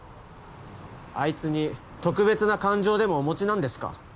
あいつに特別な感情でもお持ちなんですか？